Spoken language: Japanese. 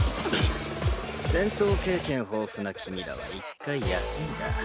戦闘経験豊富な君らは１回休みだ。